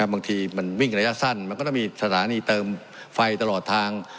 บางทีมันวิ่งระยะสั้นมันก็ต้องมีสถานีเติมไฟตลอดทาง